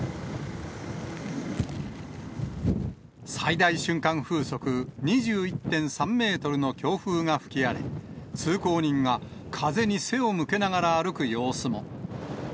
最大瞬間風速２１．３メートルの強風が吹き荒れ、通行人が風に背を向けながら歩く様子も。